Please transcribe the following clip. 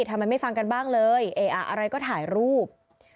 ทำไมไม่ฟังกันบ้างเลยอะไรก็ถ่ายรูป